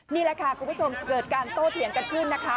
นี่แหละค่ะคุณผู้ชมเกิดการโต้เถียงกันขึ้นนะคะ